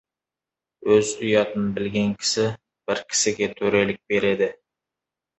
Өз ұятын білген кісі бір кісіге төрелік береді.